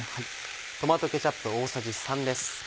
トマトケチャップ大さじ３です。